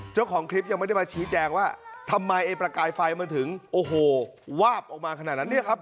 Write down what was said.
เจ้าของคลิปยังไม่ได้มาชี้แจงว่าทำไมไอ้ประกายไฟมันถึงโอ้โหวาบออกมาขนาดนั้นเนี่ยครับ